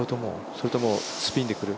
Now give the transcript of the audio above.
それともスピンで来る？